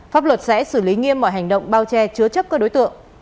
pháp luật sẽ xử lý nghiêm mọi hành động bao che chứa chấp các đối tượng